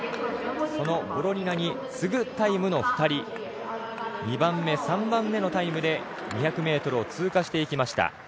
そのボロニナに次ぐタイムの２人２番目、３番目のタイムで２００ｍを通過していきました。